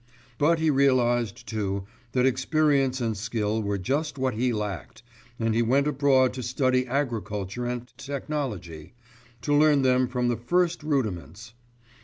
But he realised, too, that experience and skill were just what he lacked and he went abroad to study agriculture and technology to learn them from the first rudiments.